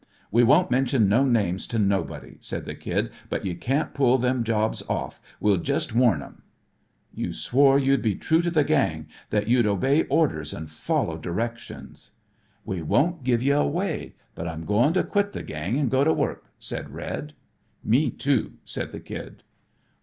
"We won't mention no names to nobody," said the Kid, "but you can't pull them jobs off. We'll jest warn 'em." "You swore you'd be true to the gang, that you'd obey orders an' follow directions." "We won't give ye away but I'm goin' to quit the gang an' go to work," said Red. "Me too," said the Kid.